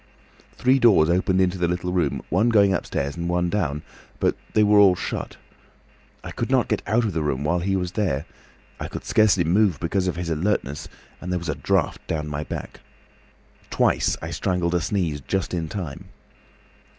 Three doors opened into the little room, one going upstairs and one down, but they were all shut. I could not get out of the room while he was there; I could scarcely move because of his alertness, and there was a draught down my back. Twice I strangled a sneeze just in time.